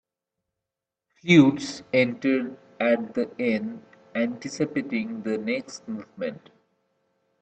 Flutes enter at the end, anticipating the next movement.